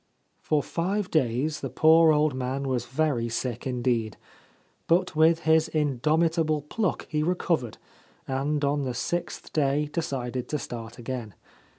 For five days the poor old man was very sick indeed ; but with his indomitable pluck he recovered, and on the sixth day decided to start again.